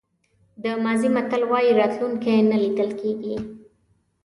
د مازی متل وایي راتلونکی نه لیدل کېږي.